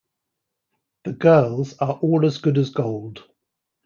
The girls are all as good as gold.